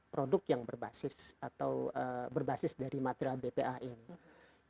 produk yang berbasis atau berbasis dari material bpa ini